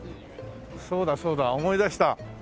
そうだそうだ思い出した。